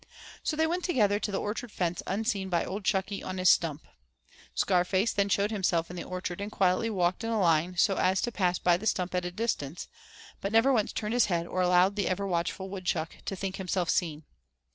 So they went together to the orchard fence unseen by old Chuckie on his stump. Scarface then showed himself in the orchard and quietly walked in a line so as to pass by the stump at a distance, but never once turned his head or allowed the ever watchful woodchuck to think himself seen.